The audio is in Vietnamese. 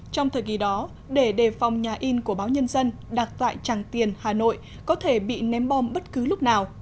trong thời kỳ đó để đề phòng nhà in của báo nhân dân đặt tại tràng tiền hà nội có thể bị ném bom bất cứ lúc nào